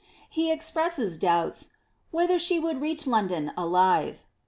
^ He expresses doubts ^ whether she would reach London ilive.